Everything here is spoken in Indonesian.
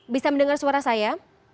bisa mendengar suara saya